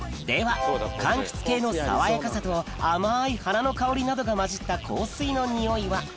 ではかんきつ系の爽やかさと甘い花の香りなどが混じった香水のニオイは？